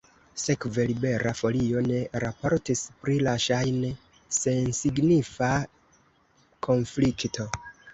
Sekve Libera Folio ne raportis pri la ŝajne sensignifa konflikto.